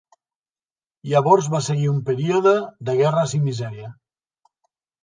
Llavors va seguir un període de guerres i misèria.